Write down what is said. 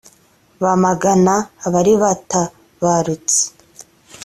bamagana abari batabarutse